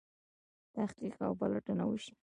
تحقیق او پلټنه وشي.